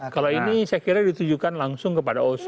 kalau ini saya kira ditujukan langsung kepada oso